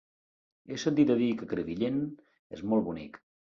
He sentit a dir que Crevillent és molt bonic.